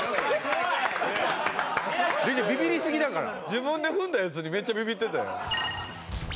自分で踏んだやつにめっちゃびびってたよ。